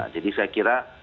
jadi saya kira